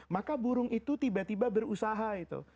maka burung itu tiba tiba berusaha itu